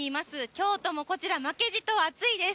京都もこちら、負けじと暑いです。